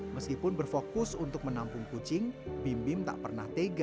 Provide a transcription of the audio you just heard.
meskipun berfokus untuk menampung kucing bim bim tak pernah tega